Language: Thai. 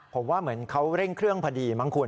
ผมว่าเหมือนเขาเร่งเครื่องพอดีมั้งคุณ